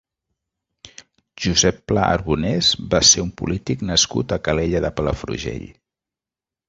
Josep Pla Arbonès va ser un polític nascut a Calella de Palafrugell.